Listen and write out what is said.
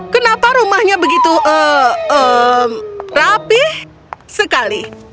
kenapa rumahnya begitu rapih sekali